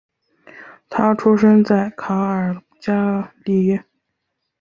他出生在卡尔加里。